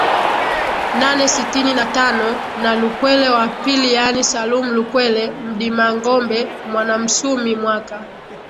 nane sitini na tano na Lukwele wa Pili yaani Salum Lukwele Mdimangombe Mwanamsumi mwaka